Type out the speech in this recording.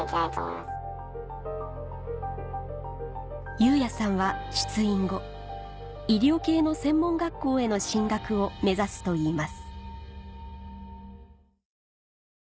ユウヤさんは出院後医療系の専門学校への進学を目指すといいます